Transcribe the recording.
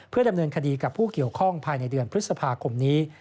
ดำเนินคดีกับผู้เกี่ยวข้องภายในเดือนพฤษภาคมนี้